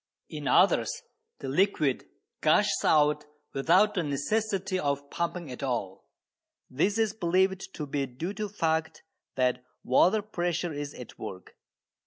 In others the liquid gushes out without the necessity of pumping at all. This is believed to be due to the fact that water pressure is at work.